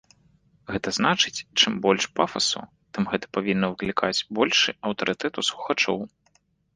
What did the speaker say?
Гэта значыць, чым больш пафасу, тым гэта павінна выклікаць большы аўтарытэт у слухачоў.